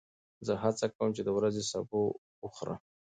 زه هڅه کوم چې د ورځې سبو وخورم.